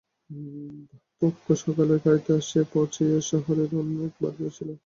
বাবপক্ষ সকালের গাড়িতে আসিয়া পৌঁছিয়া শহরের অন্য এক বাড়িতে ছিল।